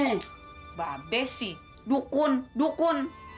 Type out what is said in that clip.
mbak be sih dukun dukun